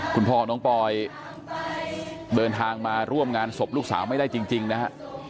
คุณพ่อน้องปอยเดินทางมาร่วมงานศพลูกสาวไม่ได้จริงนะฮะ